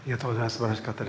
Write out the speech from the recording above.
すばらしかったです。